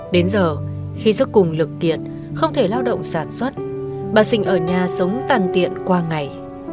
đến giờ khi sức cùng lực kiện không thể lao động sản xuất bà sình ở nhà sống tàn tiện qua ngày